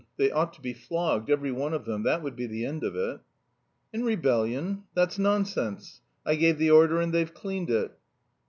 They ought to be flogged, every one of them; that would be the end of it." "In rebellion? That's nonsense; I gave the order and they've cleaned it."